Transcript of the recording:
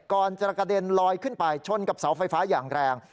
ก่อนจะกระเด็นลอยขึ้นไปชนกับเสาไฟฟ้าอย่างแรง